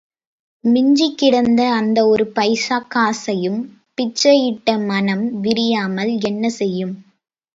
மிஞ்சிக் கிடந்த அந்த ஒரு பைசாக் காசையும் பிச்சை இட்ட மனம் விரியாமல் என்ன செய்யும்!...